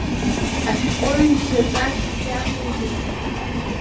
Ашәҟәыҩҩшьа ҵашьас иамоузеи?!